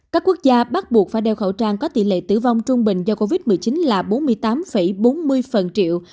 các quốc gia bắt buộc phải đeo khẩu trang có tỷ lệ tử vong trung bình do covid một mươi chín là bốn mươi tám bốn mươi triệu